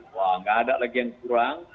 wah nggak ada lagi yang kurang